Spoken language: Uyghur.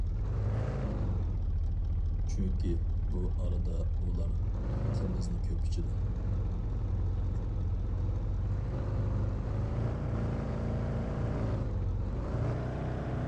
چۈنكى بۇ ئارىدا ئۇلار قىمىزنى كۆپ ئىچىدۇ.